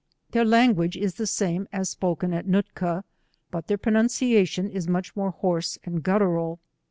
Their language is the same as spoken at Ncotki, but their pronuscialion is much more hoarse and guttural.